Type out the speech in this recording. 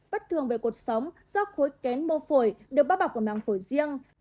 bất thường về cuộc sống do khối kén mô phổi được bao bọc bởi mạng phổi riêng